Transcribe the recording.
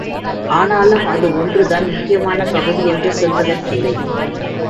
ஆனாலும் அது ஒன்று தான் முக்கியமான பகுதி என்று சொல்வதற்கில்லை.